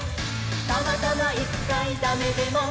「たまたまいっかいダメでも」